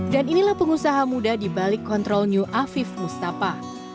dan inilah pengusaha muda di balik control new afif mustafa